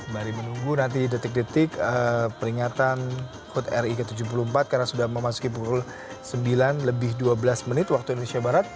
mari menunggu nanti detik detik peringatan hud ri ke tujuh puluh empat karena sudah memasuki pukul sembilan lebih dua belas menit waktu indonesia barat